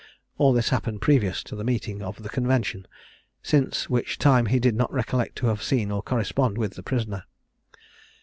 All this happened previous to the meeting of the convention, since which time he did not recollect to have seen or corresponded with the prisoner.